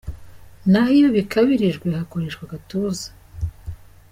Naho iyo bikabirijwe hakoreshwa « agatuza ».